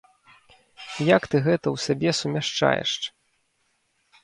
Як ты гэта ў сабе сумяшчаеш?